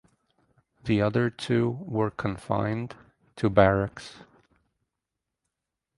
The other two were confined to barracks.